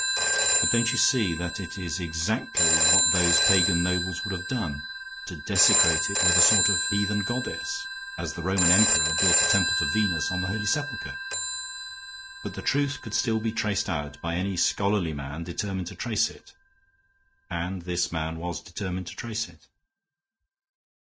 But don't you see that it is exactly what those pagan nobles would have done, to desecrate it with a sort of heathen goddess, as the Roman Emperor built a temple to Venus on the Holy Sepulchre. But the truth could still be traced out, by any scholarly man determined to trace it. And this man was determined to trace it."